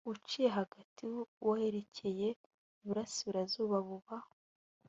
uciye hagati w aherekeye iburasirazuba buba